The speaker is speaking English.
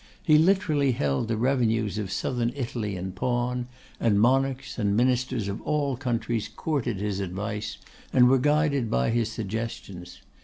He literally held the revenues of Southern Italy in pawn; and monarchs and ministers of all countries courted his advice and were guided by his suggestions.